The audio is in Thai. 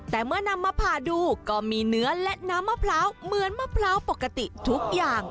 แต่เมื่อนำมาผ่าดูก็มีเนื้อและน้ำมะพร้าวเหมือนมะพร้าวปกติทุกอย่าง